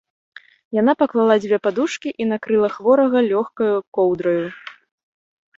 Яна паклала дзве падушкі і накрыла хворага лёгкаю коўдраю.